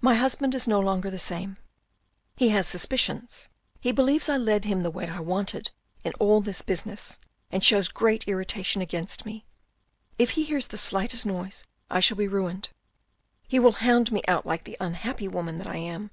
My husband is no longer the same ; he has suspicions, he believes I led him the way I wanted in all this business, and shows great irritation against me. If he hears the slightest noise I shall be ruined, he will hound me out like the unhappy woman that I am."